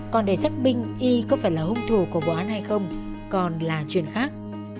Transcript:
còn để xác minh y có phải là hung thù của vụ án hay không còn là chuyện khác